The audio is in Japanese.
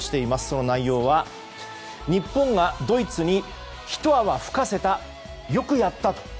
その内容は日本はドイツにひと泡吹かせたよくやったと。